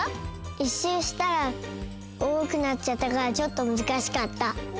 １しゅうしたらおおくなっちゃったからちょっとむずかしかった。